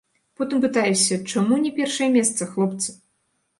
Потым пытаешся, чаму не першае месца, хлопцы?